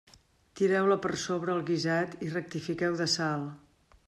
Tireu-la per sobre el guisat i rectifiqueu de sal.